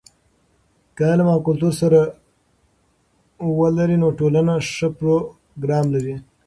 که علم او کلتور سره ولري، نو ټولنه ښه پروګرام لري.